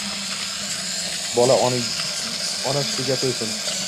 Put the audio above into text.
Bola ona sutiga to‘ysin.